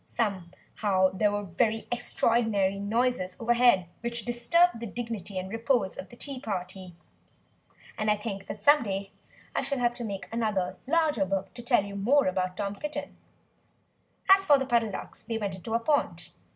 Somehow there were very extraordinary noises over head, which disturbed the dignity and repose of the tea party. And I think that some day I shall have to make another, larger, book, to tell you more about Tom Kitten! As for the Puddle Ducks they went into a pond.